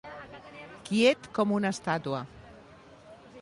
Quiet com una estàtua.